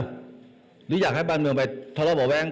หรืออยากให้บ้านเมืองไปทะเลาะเบาะแว้ง